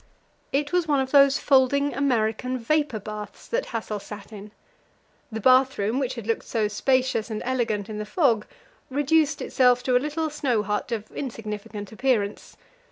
It was one of those folding American vapour baths that Hassel sat in. The bathroom, which had looked so spacious and elegant in the fog, reduced itself to a little snow hut of insignificant appearance.